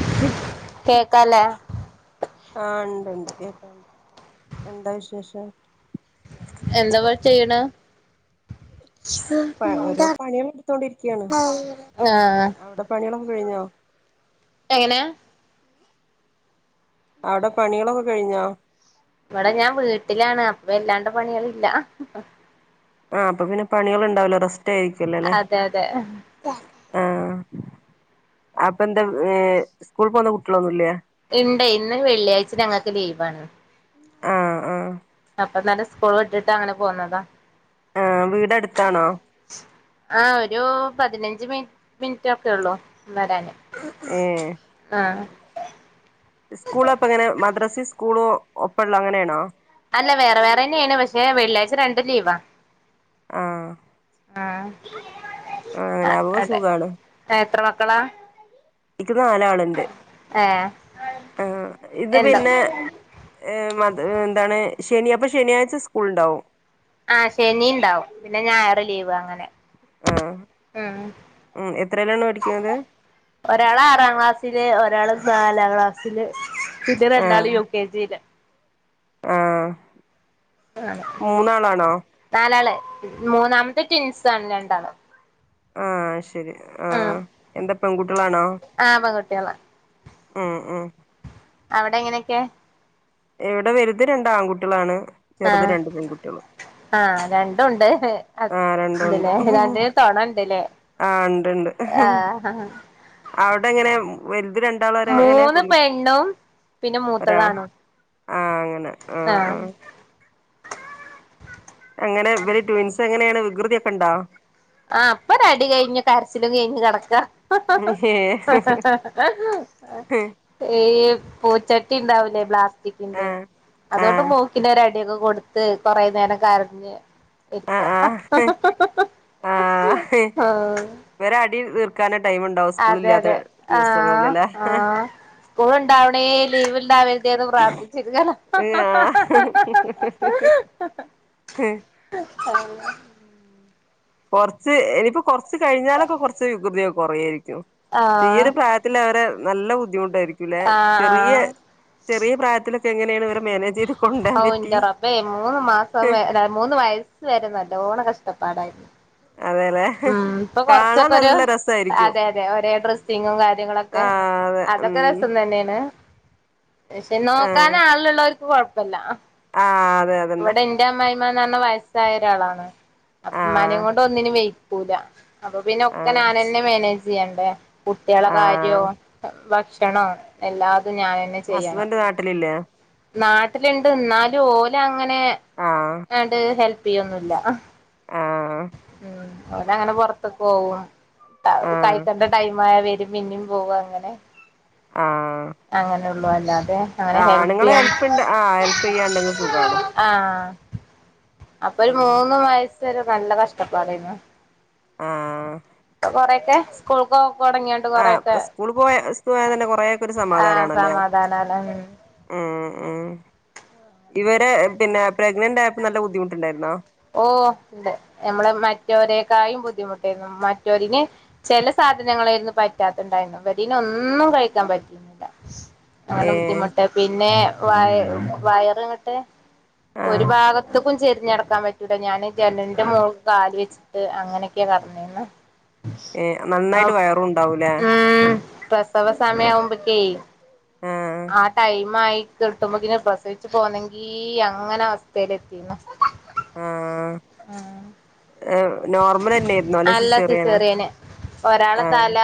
Hello കേക്കാല്ലേ? ആഹ് ഇണ്ട്ണ്ട് കേക്ക്‌ണ്ട് എന്താ വിശേഷം? എന്താവാ ചെയ്യണ്? പ ഓരോ പണികൾ എടുത്തോണ്ടിരിക്കയാണ് ആഹ് അവിടെ പണികളൊക്കെ കഴിഞ്ഞോ? എങ്ങനെ? അവിടെ പണികളൊക്കെ കഴിഞ്ഞോ? ഇവടെ ഞാൻ വീട്ടിലാണ് അപ്പൊ വല്ലാണ്ട് പണികളില്ല. ആഹ് അപ്പൊ പിന്നെ പണികൾ ഉണ്ടാവില്ല റസ്റ്റായിരിക്കും. അതെ അതെ. ആഹ് അപ്പൊ എന്തേ ഏഹ് സ്കൂള്പോണ കുട്ടികളൊന്നുല്ലേ? ഇണ്ടേയ് ഇന്ന് വെള്ളിയാഴ്ച ഞങ്ങൾക്ക് ലീവാണ്. ആഹ് ആഹ് അപ്പൊന്നലെ സ്കൂൾ വിട്ടിട്ട് അങ്ങനെ പോന്നതാ. ആഹ് വീടടുത്താണോ? ആഹ് ഒരു പതിനഞ്ച് മിനി മിനിറ്റ് ഒക്കെ ഉള്ളൂ വരാന്. ഏഹ് ഉം ആഹ് സ്കൂളപ്പങ്ങനെ മദ്രസി സ്കൂളും ഒപ്പള്ള അങ്ങനെണോ? അല്ല വേറെ വേറെന്നെയാണ്. പക്ഷെ വെള്ളിയാഴ്ച രണ്ടും ലീവാ. ആഹ് ആഹ് അങ്ങനെ ആവുമ്പോ അതെ സുഖാണ് ഏഹ് എത്ര മക്കളാ? ഇക്ക് നാലാള്ണ്ട് ഏഹ് ആഹ് ഇത് എന്താ പിന്നെ ഏഹ് മത് എന്താണ് ശെനി അപ്പൊ ശെനിയാഴ്ച സ്കൂൾണ്ടോ ആഹ് ശെനി ണ്ടാവും പിന്നെ ഞായറ് ലീവ് അങ്ങനെ ആഹ് ഉം ഉം എത്രേലാണ് പടിക്ക്ണത് ഒരാള് ആറാ ക്ലാസ്സില് ഒരാള് നാലാ ക്ലാസ്സില് പിന്നെ ആഹ് രണ്ടാള് യു കെ ജി ആഹ് ആ മൂന്നാളാണോ നാലാള് മൂന്നാമത്തെ ട്വിൻസാണ് രണ്ടാള് ആഹ് ശെരി ഉം ആഹ് എന്താ പെൺകുട്ട്യോളാണോ? ആഹ് പെൺകുട്ടികളാ ആഹ് ആഹ് അവിടെ എങ്ങനൊക്കെ ഇവിടെ വലുത് രണ്ട് ആൺകുട്ട്യളാണ് ചെറുത് ആഹ് രണ്ട് പെൺകുട്ട്യോളും ആഹ് രണ്ടുണ്ട് അത് ആഹ് രണ്ടുണ്ട് ഇണ്ട്ല്ലേ രണ്ടിനും തൊണണ്ട്ല്ലേ ആഹ് ഉണ്ട് ഉണ്ട് ആഹ് അവിടെ എങ്ങനെ വലുത് രണ്ടാളു എങ്ങനെ മൂന്ന് പെകു പെണ്ണും പിന്നെ ഒരാ മൂത്തതാണും ആഹ് അങ്ങനെ ആഹ് ആഹ് അങ്ങനെ ഇവര് ട്വിൻസ് എങ്ങനേണ് വികൃതി ഒക്കെണ്ടാ ആഹ് അപ്പ ഒരടി കഴിഞ്ഞ് കരച്ചിലും കെയ്ഞ്ഞ് കെട്ക്കാ ഈ പൂച്ചട്ടി ഇണ്ടാവുലേ ഏഹ് പ്ലാസ്റ്റിക്കിന്റെ ആഹ് അതൊണ്ട് ആഹ് മൂക്കിനൊരടി യെക്കെ കൊടുത്ത് കൊറേ നേരം കരഞ്ഞു ഇരിക്കാ ആഹ് ആഹ് ഇവരെ അടി തീർക്കാന ടൈ അതെ അതെ ആഹ് ആഹ് സ്കൂൾ ഇണ്ടാവണേ ലീവ്ണ്ടാവ റ്റെത് പ്രാർത്ഥിച്ച് ഇരിക്കാണ് ആഹ് ആഹ് കൊർച്ച് ഇനിപ്പൊ കൊർച്ച് കഴിഞ്ഞാലൊക്കെ കൊർച്ച് വികൃതിക്കെ കൊറേര്ക്കും ഈ ആഹ് ഒര് പ്രായത്തിലവരെ നല്ല ബുദ്ധിമുട്ടാരിക്കുംല്ലെ ആഹ് ചെറിയ ആഹ് ചെറിയ പ്രായത്തിലൊക്കെ എങ്ങനേണ് ഇവരെ മാരേജിന് ഔ എന്റെ റബ്ബേ മൂന്ന് മാസംവരെ മൂന്ന് വയസ്സ് വെരേ നല്ലോണം കഷ്ടപ്പാടായിരുന്നു അതെ അതേ ആഹ് ഇപ്പൊ കൊറച്ചൊക്കൊരു അതെ അതെ ഒരേ ഡ്രെസ്സിങ്ങും കാര്യങ്ങളൊക്കെ ആഹ് അതെ ഉം അതൊക്കെ രസം തന്നേണ് പക്ഷെ ആഹ് നോക്കാനാള് ഇള്ളോര്ക്ക് കൊഴപ്പല്ല ആഹ് അതെ അ ഇവിടെ ഇന്റെ അമ്മായിമ്മന്ന് പറഞ്ഞ വയസ്സായ ഒരാളാണ് ഇമ്മാനെ ആഹ് കൊണ്ട് ഒന്നിനും വെയി ക്കൂല അപ്പൊ പിന്നെ ഒക്കെ ആഹ് ഞനന്നെ മാനേജ് ചെയ്യണ്ടേ കുട്ട്യാള കാര്യോ ആഹ് ഭക്ഷണോ എല്ലാതും ഞാന് ഹസ്ബന്റ് നാട്ടിലില്ലേ നാട്ടിലിണ്ട് എന്നാലും ഓലങ്ങനെ ആഹ് ന്നാട്ട് ഹെൽപ് ചെയ്യൊന്നുല്ല ആഹ് ഓന് അങ്ങനെ പൊറത്ത്ക്ക് പോവ ക ആഹ് കഴിക്കണ്ട ടൈം ആയ വരും പിന്നിം പോവ അങ്ങനെ അങ്ങനെള്ളൂ അല്ലാതെ അങ്ങനെ ഹെൽപ് ആണ്ങ്ങള് ചെയ്യാൻ ഹെൽപ്പ്ണ്ട ആ ഹെൽപ് ചെയ്യാണ്ട്ങ്ങ സുഗാണ് ആഹ് അപ്പൊര് ഉം മൂന്ന് വയസ്സ് വരെ നല്ല കഷ്ടപ്പാടാര്ന്നു ആഹ് ട്ടൊ കൊറെക്കെ സ്കൂൾക്ക് കൊടങ്ങ്യ ആ സ്കൂൾ പോയ സ്പോയാ തന്നെ കൊറെക്കെ ഒരു ആഹ് സമാധാനാണല്ലേ സമാധാനാണ് ഉം മ് മ് ഇവരേ പിന്നെ പ്രഗ്നന്റ് ആയപ്പോ നല്ലബുദ്ധിമുട്ടുണ്ടായിരുന്നോ ഓഹ് നമ്മളെ മറ്റോനെക്കായും ബുദ്ധിമുട്ടേര്ന്നു മറ്റൊരിന് ചെല സാധനങ്ങളെര്ന്നു പറ്റാത്തത്ണ്ടായിരുന്നു ഇതിനൊന്നും കഴിക്കാൻ പറ്റി അങ്ങനെ ഏഹ് ബുദ്ധിമുട്ട് പിന്നെ വയ വയറിൻ്റെ ഒരു ആഹ് ഭാഗത്ത് ക്കും ചെരിഞ്ഞടക്കാൻ പറ്റൂല ഞാൻ ജനന്റെ മോ കാല് വെച്ചിട്ട് അങ്ങനെയൊക്കെയാ കെടന്നീന് ഏ നന്നായിട്ട് വയറും ഉണ്ടാവൂലേ തവസമയ ആവുമ്പക്ക് ആഹ് ആ ടൈം ആയി കിട്ടുമ്പോക്കിന് പ്രസവിച്ചു പോന്നെങ്കി അങ്ങനെ അവസ്ഥയില എത്തിന്ന ആഹ് ഹ് നോർമൽ അല്ല സിസേറിയന് ഒരാള ആഹ് തല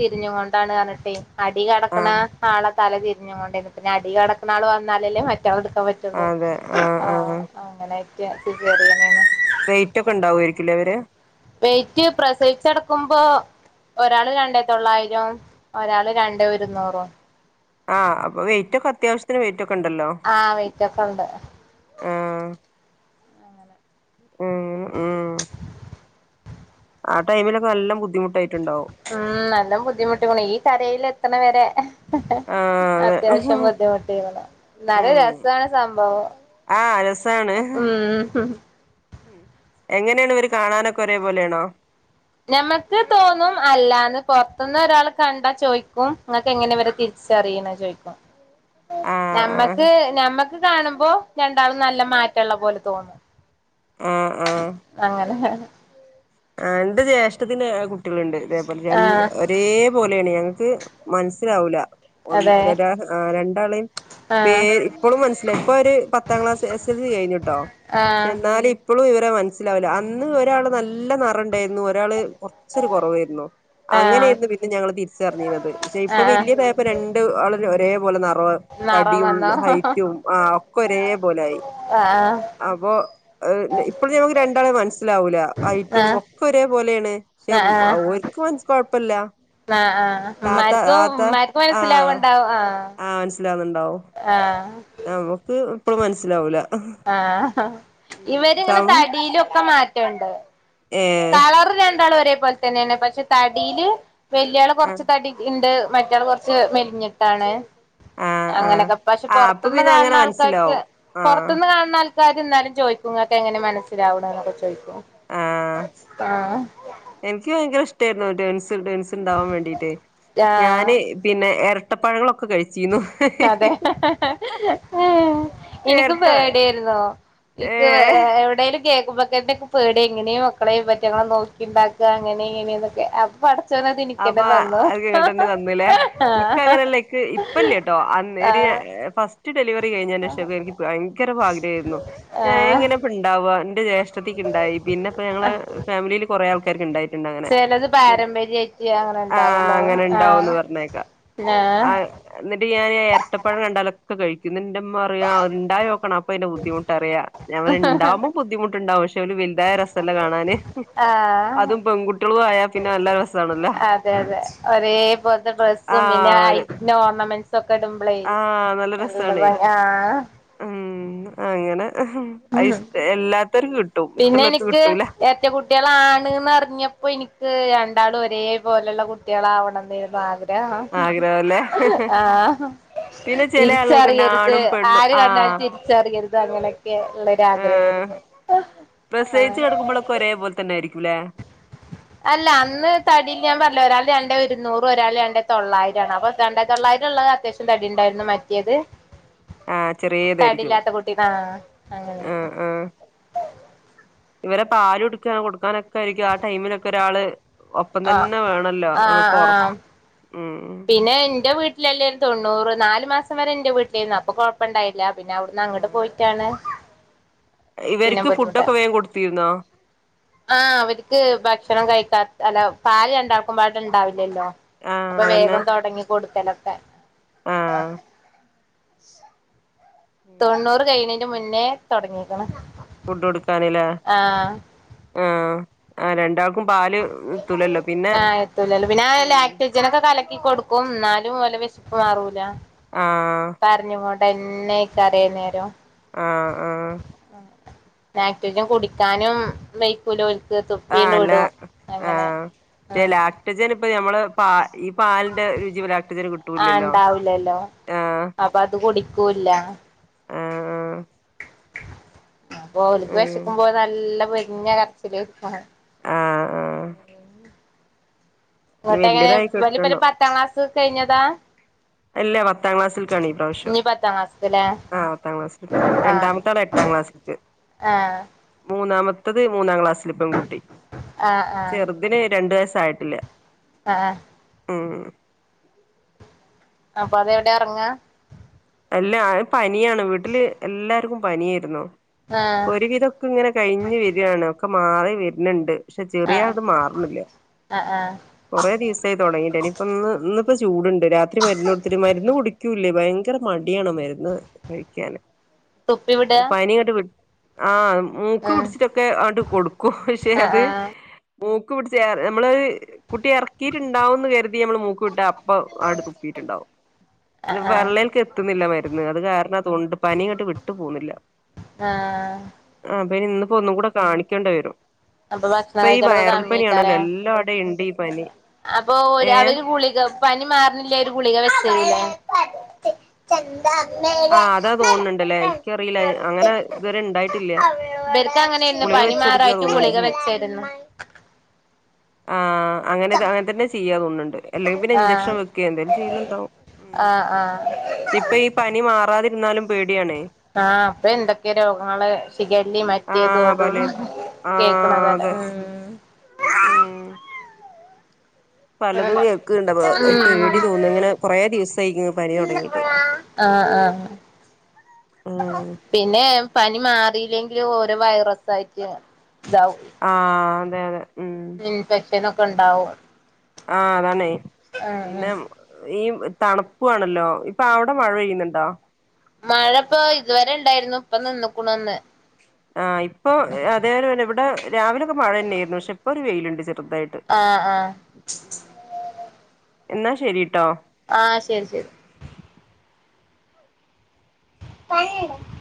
തിരിഞ് കൊണ്ടാണ് പറന്നിട്ടെ അടി കിടക്കണ ആഹ് ആളെ തല തിരിഞ്ഞ കൊണ്ടന്നെ പിന്നെ അടി കടക്കണ ആള് വന്നാലല്ലേ മറ്റാളെ എടുക്കാൻ പറ്റുള്ളൂ അതെ ആഹ് ആ.. ആഹ് ആ അങ്ങനെ ആയിട്ട് സിസേറിയൻന്ന് വെയിറ്റ് ഒക്കെ ഉണ്ടാവുമായിരിക്കില്ലേ അവര് വെറ്റ് പ്രസവിച്ചടക്കുമ്പോ ഒരാൾ രണ്ടേ തൊള്ളായിരം ഒരാള് രണ്ടേ ഒരുന്നൂറും ആഹ് അപ്പൊ വെയിറ്റ ഒക്കെ അത്യവശ്യത്തിന് വെയിറ്റ് ഒക്കെ ഉണ്ടല്ലോ ആഹ് വൈറ്റൊക്കെ ഉണ്ട് ആഹ് ഉം ആ ടൈംലൊക്കെ നല്ല ബുദ്ധിമുട്ടായിട്ടണ്ടാവും. ഉം നല്ലം ബുദ്ധിമുട്ടിക്കണ ഈ കരയിൽ എത്തണ വരെ ആ അതെ അത്യാവശ്യം ബുദ്ധിമുട്ടിക്ക്‌ണു ന്നാലും ഉം രസണ് സംഭവം ആ രസാണ് ഉം ഉം ഉം എങ്ങനെണ് ഇവര് കാണാനൊക്കെ ഒരേപോലെണോ? മ്മക്ക് തോന്നും അല്ലാന്ന് പുറത്തുന്ന് ഒരാൾ കണ്ടാ ചോദിക്കും ങ്ങക്ക് എങ്ങനെ വരെ തിരി ച്ചറീനാ ചോയ്ക്കും.. ആ നമ്മക്ക് ഞമ്മക്ക് കാണുമ്പോ രണ്ടാളും നല്ല മാറ്റള്ള പോലെ തോന്നും. ആ ആ അങ്ങനെ രണ്ട് ജ്യേഷ്ഠത്തിന് കുട്ടികളുണ്ട് ഇതേപോലെ രണ്ട് ആഹ് ഒരേ പോലെണ് ഞങ്ങക്ക് മനസ്സിലാവൂല ഒന്ന് അതെ ഒര ആ രണ്ടാളീം.. പേ ആഹ് ഇപ്പോഴും മനസ്സിലായി ഇപ്പൊ ഒരു പത്താം ക്ലാസ് എസ് എൽസി കഴിഞ്ഞിട്ടോ പക്ഷെ ആഹ് എന്നാലും ഇ ഇപ്പളും ഇവരെ മനസ്സിലാവുല്ല അന്ന് ഒരാൾ നല്ല നിറുണ്ടായിരുന്നു ഒരാൾ.. കുറച്ചൊരു കുറവായിരുന്നു ആഹ് അങ്ങനെരുന്നു പിന്നെ ഞങ്ങൾ തിരിച്ചറിഞ്ഞിരുന്നത് പക്ഷെ ഇപ്പൊ ആഹ് വലിയ പേ ഇപ്പൊ രണ്ട ആള ഒരേപോലെ നിറ നിറം തടിയും വന്നോ ഹൈറ്റും ആ ഒക്കെ ഒരേ പോലായി ആഹ് അപ്പോ ഇപ്പഴ ഞമുക്ക് രണ്ടാളെ മനസ്സിലാവൂല ഐറ്റും ആഹ് ഒക്കെ ഒരേ പോലെണ് പക്ഷെ ആഹ് മ് ആഹ് ഓല്ക്ക് മൻ കൊഴപ്പല്ല. ആഹ് ആഹ് താത്ത മർക്കും താത്ത മർക്ക് ആഹ് മനസ്സിലാവണ്ടാവും ആ ആഹ് മനസ്സിലാവകുന്നുണ്ടാവും ആഹ് നമുക്ക് ഇപ്പളും മനസ്സിലാവൂല ആഹ് ഉം ഇവരിങ്ങനെ സം തടിയിലൊക്കെ മാറ്റംണ്ട്. ഏഹ് കളർ രണ്ടാൾ ഒരേ പോലെ തന്നെയാണ് പക്ഷെ തടിയില് വല്യ ആള് ആഹ് കുറച്ച് തടി ഇണ്ട് മറ്റള് കൊറച്ച് മെലിഞ്ഞിട്ടാണ് ആഹ് ആഹ് അങ്ങനെയൊക്കെ പക്ഷെ ആഹ് അപ്പൊ പുറത്തുന്ന് പിന്നെ അങ്ങനെ കാണുന്ന ആൾക്കാർക്ക് മനസ്സിലാവും ആഹ് പുറത്തന്ന് കാണുന്ന ആൾക്കാ ക്കാതന്നാലും ചോയ്ക്കുംങ്ങക്കെ എങ്ങനെ മനസ്സിലാവണ എന്നൊക്കെ ചോയ്ക്കും ആഹ് ആ.. എനിക്ക് ഭയങ്കര ഇഷ്ടായിരുന്നു ഡേൻസ് ഡേൺസ് ഉണ്ടാവാൻ വേണ്ടീട്ട് ആഹ് ഞാന്.. പിന്നെ ഇരട്ടപ്പഴങ്ങളൊക്കെ കഴിച്ചിന്നു അതെ എനിക്കും എരട്ട പേഡിയ ആയിരൂന്നോ ഇക്ക് ഏഹ് എവിടെലും കേൾക്കുമ്പക്കേന്റെക്കെ പേടിയാ എങ്ങനെയും മക്കളെ റ്റങ്ങളെ നോക്കി ഉണ്ടാക്ക അങ്ങനെ ഇങ്ങനെയന്നൊക്കെ അപ്പ അടു അപ്പൊ അത ങ്ങോട്ട്ന്നെ തന്നലേ ഇക്ക ആഹ് അങ്ങനെല്ലക്ക് ഇപ്പല്ലേ കേട്ടോ അന്ന് ട്ട് ആഹ് ഫസ് റ്റ് ഡെലിവറി കഴിഞ്ഞതിന്റെ ശേഷം എനിക്ക് ഭയങ്കര ആഗ്രഹമായിരുന്നു ആഹ് എങ്ങനെപ്പ ഉണ്ടവുക എന്റെഷ ണ്ടായി പിന്നെപ്പ ഞങ്ങളെ ഫാമിലിയില് കുറേ ആൾക്കാർക്ക് ഉണ്ടായി ചിലത് പാരമ്പര്യായിട്ട അങ്ങനെ ആഹ് ഉണ്ടാവുള്ളു അങ്ങനെ ആഹ ഇണ്ടാവുന്ന് പറഞ്ഞേക്കാം ആഹ ആഹ് എന്നിട്ട് ഞാൻ ഇരട്ടപ്പഴം കണ്ടാലോ ഒ കഴിക്കുന്ന എൻ്റുമ്മറയാ ഉണ്ടായോക്കണം അപ്പൊ അതിന്റെ ബുദ്ധിമുട്ട അറിയ ഞ അവൻണ്ടാവോ ബുദ്ധിമുട്ടുണ്ടാവും പക്ഷെ ഒരു വലുതായ രസംമല്ല കാണാന് ആഹ് അതും പെൺകുട്ടികളും ആയാ പിന്നെ നല്ല രസാണല്ലോ അതെ അതെ ഒരേ പോലത്തെ ഡ്രസ്സും പിന്നെ ആഹ് ഐ ഒരു ഓർണമെന്റ്സും ഒക്കെ ളെ ആഹ് നല്ല രസാണേ ഭംഗി ആഹ ഉം അങ്ങനെ ആഹ് എല്ലാത്ത ലും കിട്ടും പിന്നെ ഇഷ്ടള്ളോർക്ക് എനിക്ക് കിട്ടൂല മറ്റേ കുട്ടികളാണ്ന്ന്റിഞ്ഞപ്പോൾ എനിക്ക് രണ്ടാളും ഒരേ പോലെയുള്ള കുട്ടികള ആവണെന്നാരുന്നു ആഗ്രഹം ആഗ്രഹല്ലേ ആഹ പിന്നെ ചെല ആളുകൾക്ക്ണ്ട് തിരിച്ചറിയരുത് ആണും പെണ്ണും ആര് കണ്ടാലും ആഹ് തിരിച്ചറിയരുത് അങ്ങനെയൊക്കെ ഉള്ളരു ആഗ്രഹായിരുന്നു ആഹ് പ്രസയിച്ചു കടക്കുമ്പോഴൊക്കെ ഒരേ പോലെ തന്നൊയിയിരിക്കുംല്ലേ അല്ല അന്ന് തടിയിൽ ഞാൻ പറഞ്ഞ ഒരാൾ രണ്ട ഒരുന്നൂറും ഒരാൾ രണ്ട തൊള്ളായിരം ആണ് അപ്പൊ രണ്ടായി തൊള്ളായിരം ഉള്ള അത്യാവശം തടി ഉണ്ടായിരുന്നു മാറ്റേത് ആഹ ചെറിയ ഇതായിരിക്കും കുട്ടി ആഹ് ആഹ അങ്ങനെയായിരുന്നു ആഹ ഇവരെ പാല കൊടുക്ക കൊടുക്കാനൊക്കെ ആയിരിക്കും ആ ടൈമിലൊക്കെ ഒരാള് ഒപ്പം ആഹ് തന്നെ വേണല്ലോ ആഹ് നമക്ക്റ ആഹ് ഉ പിന്നെ എന്റെ വീട്ടിൽ വീട്ടിലല്ലേ തൊണ്ണൂറ് നാലല് മാസം വരെ എൻറെ വീട്ടിലന്ന് അപ്പൊ കൊഴപ്പം ഉണ്ടായില്ല പിന്നെ അവിടുന്ന് അങ്ങോട്ട് പോയിട്ടാണ് പിന്നെ ഇവർക്ക് ഫുഡൊക്കെ വേഗം കൊടുത്തിരുന്നോ ആഹ അവർക്ക് ഭക്ഷണം കഴിക്കാ അല്ല പാല് രണ്ടാക്കുമ്പാട ഉണ്ടാവില്ലല്ലോ ആഹ് അപ്പൊ അതന്നെ വേഗം തൊടങ്ങി കൊടുക്കലൊക്കെ ആഹ് തൊണ്ണൂറ് കഴിഞ്ഞന് മുന്നേ തുടങ്ങിക്കണ് ഫുഡ് കൊടുക്കാനില്ല ആഹ ആ രണ്ടാക്ക് ആ എത്തൂലല്ലോ പിന്നെല്ല ഉം ലാക്ട് ജനക്കെ കലക്കി കൊടുക്കും എന്നാലും ഓല വിശപ്പ് മാറൂല ആഹ് കരഞ്ഞ കൊണ്ട എന്നെക്ക അറിയ നേരം ആഹ് ആഹ് ലാക്ടോജൻ പിന്നെ കുടിക്കാനും പുല ഒലക്ക് തുപ്പീ വിടും അങ്ങനെ ഉം ആഹ് ലാക്റ്റജൻ ഇപ്പൊ നമ്മള് പ ഈ പാലിന്റെ രുചി പോ ലാക്ടജൻ കിട്ട ആഹ ഉണ്ടാവില്ലല്ലോ അപ്പൊ അത് കുടിക്കൂല്ല ആഹ് അപ്പൊ ഓൽക്ക് ആഹ് വിശക്കുമ്പോ നല്ല പൊരിഞ്ഞ കരച്ചില് ആഹ ആഹ ഇങ്ങോട്ട എങ്ങനെ വല്യതായി വലിയല കിട്ടണം പത്താം ക്ലാസ് കഴിഞ്ഞതാ അല്ല പത്താം ക്ലാസ്സൽക്കാണ് ഈ പ്രാവശ്യം ഇഞ്ഞി പത്താം ക്ലാസ്ക്ക്ല്ലേ ആഹ് പത്താം ക്ലാസ്സിൽക്ക് ആഹ് രണ്ടാമത്തെ ആണ് എട്ടാം ക്ലാസ്സിൽക്ക് ആഹ് മൂന്നാമത്തത് മൂന്നാം ക്ലാസ്സിൽ പെൺകുട്ടി ആഹ് ആഹ് ചെറുതിന് രണ്ടു വയസ്സായിട്ടില്ല ആഹ് ഉം അപ്പൊ അതെവിടെ എറങ്ങ അല്ല പനിയാണ് വീട്ടില് എല്ലാർക്കും പനിയായിരുന്നു ആഹ് ഇപ്പൊ ഒരുവിധം ഇങ്ങനെ കഴിഞ് വരാണ് ഒക്കെ മാറി വരുന്നുണ്ട് പക്ഷെ ആഹ് ചെറിയൾത് മാറുന്നില്ല ആഹ് ആഹ് കുറെ ദിവസായി തുടങ്ങിട്ട് എനി ഇപ്പന്ന് ഇന്നിപ്പ ചൂടുണ്ട് രാത്രി മരുന്ന് കൊടുത്തിട്ട് മരുന്ന് കുടിക്കൂല്ലേ ഭയങ്കര മടിയാണ് മരുന്ന് കഴിക്കാന് തുപ്പി വിടാ പനിങ്ങട്ട് വി ആഹ് മൂക്ക് ആഹ് പിടിച്ചിട്ടൊക്കെ ആണ്ട് കൊടുക്കും പക്ഷെ ആഹ് അത് ആഹ് മൂക്ക് പിടിച്ച നമ്മളൊരു കുട്ടി എറക്കിയിട്ടുണ്ടാവുന്ന് കരുതി നമ്മള് മൂക്ക് വിട്ട പ്പം ആണ്ട് തുപ്പിട്ടുണ്ടാവും ആഹ് ആഹ് പള്ളൽക്ക് എത്തി ത്തുന്നില്ല മരുന്ന് അത് കാരണ തോന്നുണ്ട് പനി ഇങ്ങട്ട് വിട്ടു പോവുന്നില്ല ആഹ് ആഹ് അപ്പനി ഇന്ന്പ്പോ ഒന്നും കൂടെ കാണിക്കേണ്ടി വരും അപ്പൊ ഭക്ഷണം ഇപ്പൊ ഈ കഴിക്കലൊക്കെ വൈറൽ പനിയാണല്ലോ കമ്മിക്കാരേ എല്ലാടെ ഉണ്ട് അപ്പൊ ഓല് അവരും ഗുളിക പനി മാറണില്ല ഒരു ഗുളിക വെച്ചന്ന്ല്ലെ ആഹ് അതാ തോന്നണുന്നുണ്ടല്ലേ എനിക്കറിയില്ല അങ്ങനെ ഇതുവരെ ഇണ്ടായിട്ടില്ല ഇബൽക്ക് അങ്ങനെ ആയിനു ഗുളിക വെച്ച് കൊടുക്കുക പനിമാറായിട്ട് തോന്നുന്നുണ്ട് ഗുളിക ചെയ്യ വെച്ചായിരുന്നു ആഹ് അങ്ങനെ അങ്ങനെ തന്നെ ചെയ്യാ തോന്നുണ്ട് അല്ലെങ്കിൽ പിന്നെ ആഹ് ഇൻജെക്ഷൻ വെക്ക എന്തേലും ചെയ്യുന്നുണ്ടാവും ആഹ് ആഹ് ഇപ്പൊ ഈ പനി മാറാതിരുന്നാലും പേടിയാണേ ആഹ് ഇപ്പൊ എന്തൊക്കെ രോഗങ്ങള് ഷിഗല്ലി മറ്റിതും ആഹ് ഇതും പലേത് ആഹ് കേൾക്കണതല്ലേ അതെ ഉം ഉം പലതും കേൾക്ക്ണ്ട് അപ്പൊ ഉം പേടി തോന്ന ഇങ്ങനെ കൊറേ ദിവസായിക്കണ് പനി തുടങ്ങിയിട്ട് ആഹ് ആഹ് ആഹ് പിന്നെ പനി മാറിയില്ലെങ്കിലും ഓരോ വൈറസ് ആയിട്ട് ഇതാവും ആഹ് അതെ അതെ ഉം ഇൻഫെക്ഷനക്കെ ഇണ്ടാവും ആഹ് അതാണേ പിന്നെ ഉം ഈ തണുപ്പു ആണല്ലോ ഇപ്പൊ അവിടെ മഴ പെയ്യുന്നുണ്ടോ? മഴ ഇപ്പോ ഇതുവരെ ഉണ്ടായിരുന്നു ഇപ്പ നിന്നക്കണുന്ന് ആഹ് ഇപ്പൊ അതേപോലെന്നെ ഇവിടെ രാവിലൊക്കെ മഴ തന്നെയായിരുന്നു പക്ഷെ ഇപ്പോ ഒരു വെയിലുണ്ട് ചെറുതായിട്ട് ആഹ് ആഹ് ന്നാ ശരിട്ടോ ആഹ് ശരി ശരി [unintelligible]